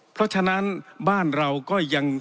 เพราะฉะนั้นบ้านเราก็ยัง